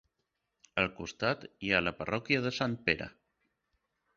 Al costat hi ha la parròquia de Sant Pere.